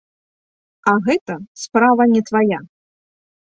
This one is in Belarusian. А гэта справа не твая!